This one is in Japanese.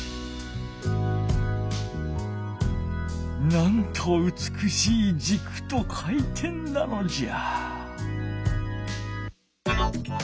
なんとうつくしいじくと回転なのじゃ。